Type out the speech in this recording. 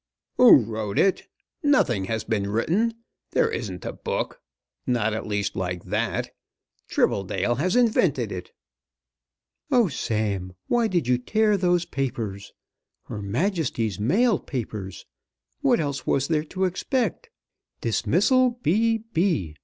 "Who wrote it? Nothing has been written. There isn't a book; not at least like that. Tribbledale has invented it." "Oh, Sam, why did you tear those papers; Her Majesty's Mail papers? What else was there to expect? 'Dismissal B. B.